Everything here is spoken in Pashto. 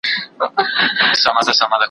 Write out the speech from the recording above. هوسۍ مخكي په ځغستا سوه ډېره تونده